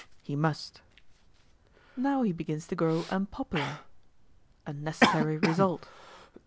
He must. Now he begins to grow unpopular. A necessary result.